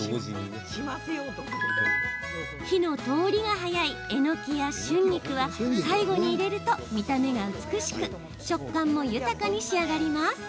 火の通りが早いえのきや春菊は最後に入れると、見た目が美しく食感も豊かに仕上がります。